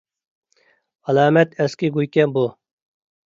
ئالامەت ئەسكى گۇيكەن بۇ.